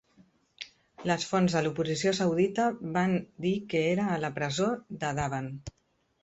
Les fonts de l'oposició saudita van dir que era a la presó de Dhaban.